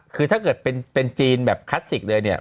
คือถ้าเกิดเป็นจีนแบบคลาสสิกเลยเนี่ย